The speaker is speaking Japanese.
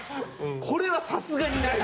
これはさすがにない！